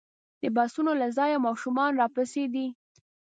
د بسونو له ځایه ماشومان راپسې دي.